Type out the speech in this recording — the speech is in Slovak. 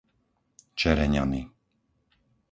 Čereňany